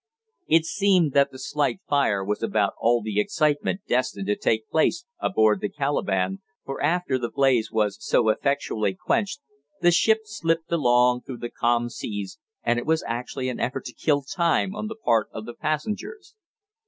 It seemed that the slight fire was about all the excitement destined to take place aboard the Calaban, for, after the blaze was so effectually quenched, the ship slipped along through the calm seas, and it was actually an effort to kill time on the part of the passengers.